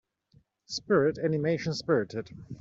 Spirit animation Spirited